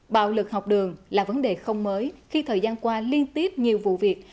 bạo lực học đường là vấn đề không mới khi thời gian qua liên tiếp nhiều vụ việc